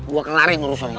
gue akan lari ngurus lo